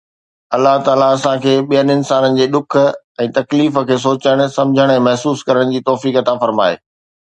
الله تعاليٰ اسان کي ٻين انسانن جي ڏک ۽ تڪليف کي سوچڻ، سمجهڻ ۽ محسوس ڪرڻ جي توفيق عطا فرمائي